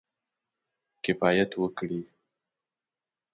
کفایت وکړي.